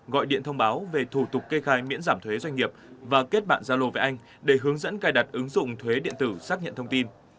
gọi điện thông báo về thủ tục kê khai miễn giảm thuế doanh nghiệp và kết bạn gia lô với anh để hướng dẫn cài đặt ứng dụng thuế điện tử xác nhận thông tin